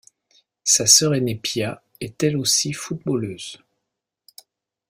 Sa sœur aînée Pia est elle aussi footballeuse.